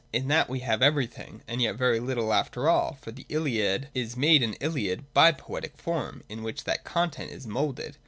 In that we have everything, and yet very little after all ; for the Iliad is made an Iliad by the poetic form, in which that content is moulded.